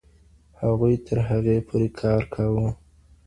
هغوی تر هغې پورې کار کاوه.